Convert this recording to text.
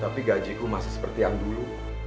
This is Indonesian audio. tapi gajiku masih seperti yang dulu